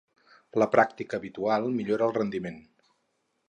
La pràctica habitual millora el rendiment.